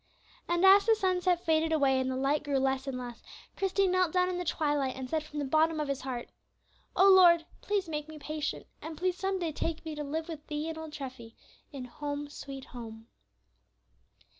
And as the sunset faded away and the light grew less and less, Christie knelt down in the twilight, and said from the bottom of his heart, "O Lord, please make me patient, and please some day take me to live with Thee and old Treffy, in 'Home, sweet Home.'"